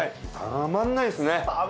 たまんないですね。